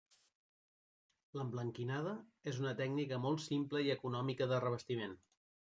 L'emblanquinada és una tècnica molt simple i econòmica de revestiment.